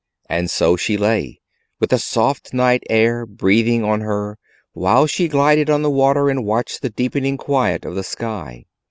And so she lay, with the soft night air breathing on her while she glided on the water and watched the deepening quiet of the sky.